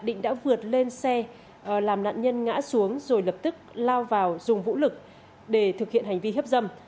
định đã vượt lên xe làm nạn nhân ngã xuống rồi lập tức lao vào dùng vũ lực để thực hiện hành vi hiếp dâm